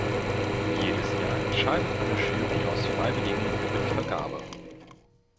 Jedes Jahr entscheidet eine Jury aus Freiwilligen über die Vergabe.